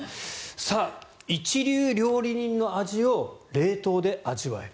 一流料理人の味を冷凍で味わえる。